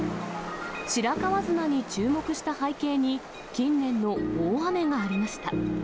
白川砂に注目した背景に、近年の大雨がありました。